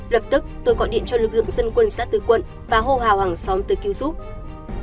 lập tức tôi gọi điện cho lực lượng dân quân xã tư quận và hô hào hàng xóm tới cứu giúp